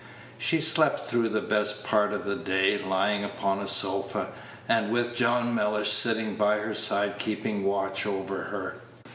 She slept through the best part of the day, lying upon a sofa, and with John Mellish sitting by her side keeping watch over her.